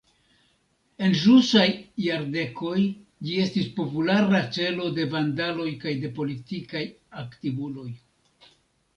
En ĵusaj jardekoj ĝi estis populara celo de vandaloj kaj de politikaj aktivuloj.